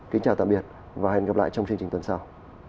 kính chào tạm biệt và hẹn gặp lại trong chương trình tuần sau